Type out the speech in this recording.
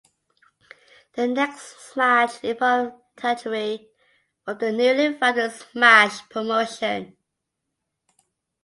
The next match involved Tajiri from the newly founded Smash promotion.